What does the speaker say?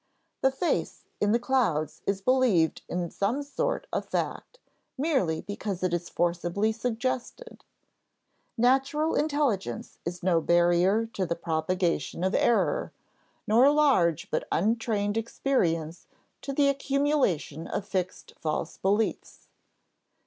The face in the clouds is believed in as some sort of fact, merely because it is forcibly suggested. Natural intelligence is no barrier to the propagation of error, nor large but untrained experience to the accumulation of fixed false beliefs.